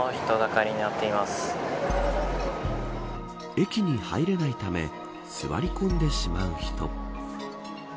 駅に入れないため座り込んでしまう人も。